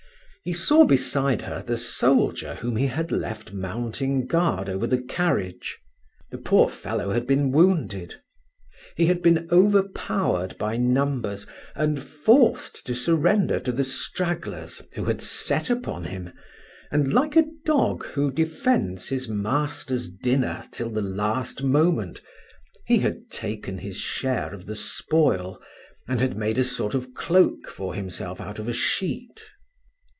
He saw beside her the soldier whom he had left mounting guard over the carriage; the poor fellow had been wounded; he had been overpowered by numbers, and forced to surrender to the stragglers who had set upon him, and, like a dog who defends his master's dinner till the last moment, he had taken his share of the spoil, and had made a sort of cloak for himself out of a sheet.